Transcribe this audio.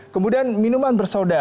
kemudian minuman bersoda